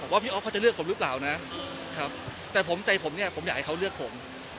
ว่าพี่อ๊อฟเขาจะเลือกผมหรือเปล่านะครับแต่ผมใจผมเนี่ยผมอยากให้เขาเลือกผม